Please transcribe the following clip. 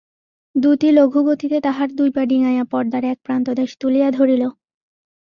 দূতী লঘুগতিতে তাহার দুই পা ডিঙাইয়া পর্দার এক প্রান্তদেশ তুলিয়া ধরিল।